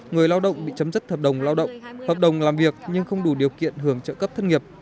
người lao động bị chấm dứt hợp đồng lao động hợp đồng làm việc nhưng không đủ điều kiện hưởng trợ cấp thất nghiệp